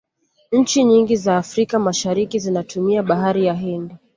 nchi nyingi za africa mashariki zinatumia bahari ya hindi